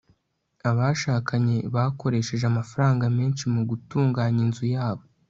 abashakanye bakoresheje amafaranga menshi mu gutunganya inzu yabo